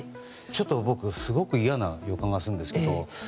ちょっと僕はすごくいやな予感がするんですけど。